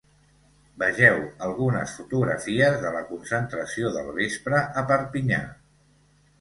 Vegeu algunes fotografies de la concentració del vespre a Perpinyà.